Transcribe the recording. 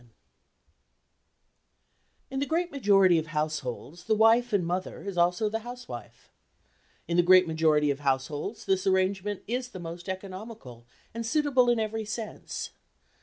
C. P. GILMAN. In the great majority of households the wife and mother is also the housewife. In the great majority of households this arrangement is the most economical and suitable in every sense.